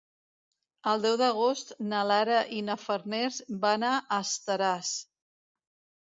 El deu d'agost na Lara i na Farners van a Estaràs.